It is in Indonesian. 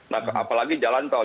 nah apalagi jalan tol